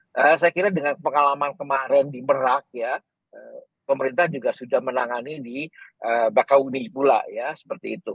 saya kira dengan pengalaman kemarin di merak ya pemerintah juga sudah menangani di bakauni pula ya seperti itu